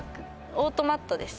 「オートマット」です